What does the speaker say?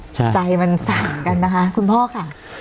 ใจมันสั่นกันนะคะคุณพ่อค่ะ